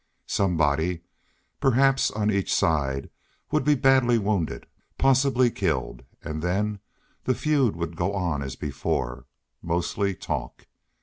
Somebody, perhaps on each side, would be badly wounded, possibly killed, and then the feud would go on as before, mostly talk.